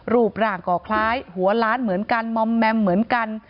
รูปร่างก็คล้ายหัวล้านเหมือนกันมอมแมมเหมือนกัน